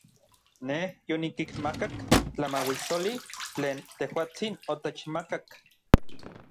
Nej yonikinmakak tlamauissoli tlen tejuatsin otechmakak.